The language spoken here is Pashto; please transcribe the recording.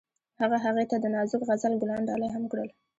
هغه هغې ته د نازک غزل ګلان ډالۍ هم کړل.